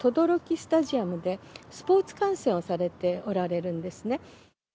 スタジアムでスポーツ観戦をされておられるんですね。